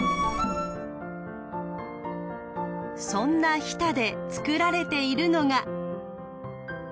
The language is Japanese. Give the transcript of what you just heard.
そんな日田で作られているのが。